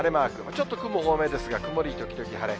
ちょっと雲多めですが、曇り時々晴れ。